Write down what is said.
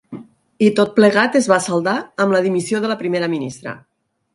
I tot plegat es va saldar amb la dimissió de la primera ministra.